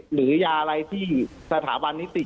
หรือยาอะไรที่สถาบันนิติ